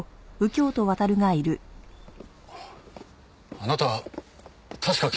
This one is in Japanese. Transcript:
あなたは確か警察の。